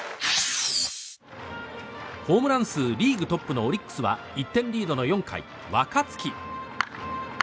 ホームラン数リーグトップのオリックスは１点リードの４回、若月。